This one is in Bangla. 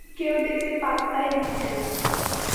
কেউ দেখছি পাত্তাই দিচ্ছে না!